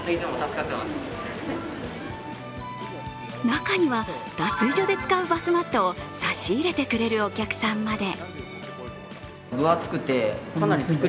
中には、脱衣所で使うバスマットを差し入れてくれるお客さんまで。